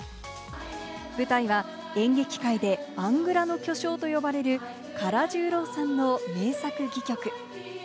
舞台は演劇界でアングラの巨匠と呼ばれる唐十郎さんの名作戯曲。